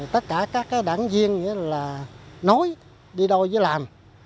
tất cả các đảng viên là nối đi đôi với làm